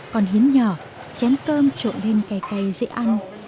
còn hến nhỏ chén cơm trộn lên cay cay dễ ăn